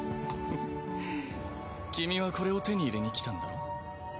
フフッ君はこれを手に入れに来たんだろう？